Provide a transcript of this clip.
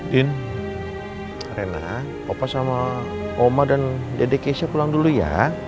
din rena papa sama oma dan dede keisha pulang dulu ya